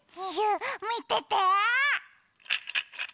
みてて！